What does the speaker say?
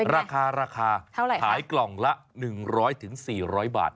ราคาราคาขายกล่องละ๑๐๐๔๐๐บาท